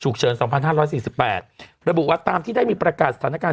ถูกเชิญสองพันห้าร้อยสี่สิบแปดระบุวัตรตามที่ได้มีประกาศสถานการณ์